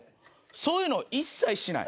そういうのを一切しない。